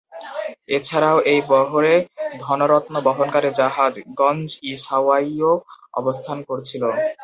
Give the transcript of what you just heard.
এছাড়াও এই বহরে ধন-রত্ন বহনকারী জাহাজ গঞ্জ-ই-সাওয়াইও অবস্থান করছিল।